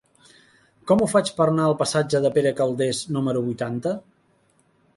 Com ho faig per anar al passatge de Pere Calders número vuitanta?